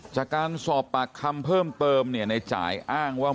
จากการสอบปากคำเพิ่มเติมเนี่ยในจ่ายอ้างว่า